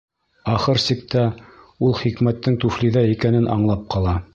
Ахыр сиктә, ул хикмәттең туфлиҙа икәнен аңлап ҡала.